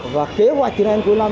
và kế hoạch tiền an cuối năm